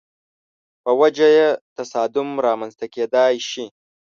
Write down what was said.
په وجه یې تصادم رامنځته کېدای شي.